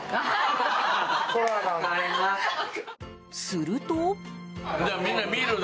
すると。